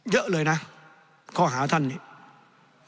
เยอะเลยนะข้อหาท่านเนี่ย